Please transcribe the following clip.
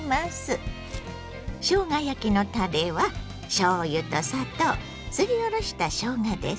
しょうが焼きのたれはしょうゆと砂糖すりおろしたしょうがです。